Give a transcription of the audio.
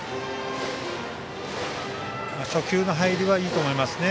初球の入りはいいと思いますね。